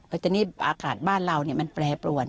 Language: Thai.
เพราะฉะนั้นอากาศบ้านเรามันแปรปรวน